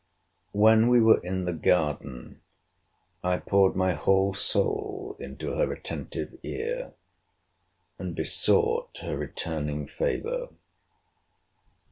When we were in the garden, I poured my whole soul into her attentive ear; and besought her returning favour.